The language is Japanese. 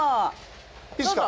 いいっすか。